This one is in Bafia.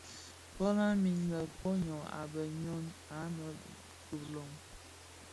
Fölö min, koň йyô a bë ňwi anë bi kilon.